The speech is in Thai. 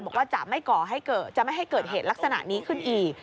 บอกว่าจะไม่ให้เกิดเหตุลักษณะนี้ขึ้นอีก